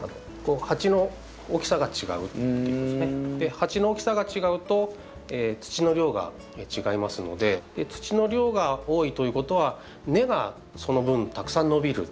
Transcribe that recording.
鉢の大きさが違うと土の量が違いますので土の量が多いということは根がその分たくさん伸びる。